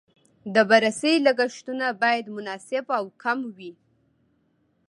د بررسۍ لګښتونه باید مناسب او کم وي.